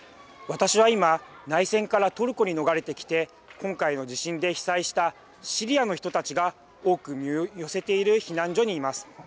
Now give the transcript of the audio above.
私は今内戦からトルコに逃れてきて今回の地震で被災したシリアの人たちが多く身を寄せている避難所にいます。